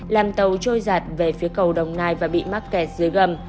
làm tàu trôi giạt về phía cầu đồng nai và bị mắc kẹt dưới gầm